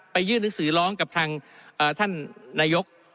ไปยื่นนักศึกษ์ร้องกับท่านนายก